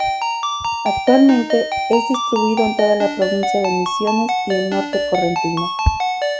Actualmente, es distribuido en toda la provincia de Misiones y el norte correntino.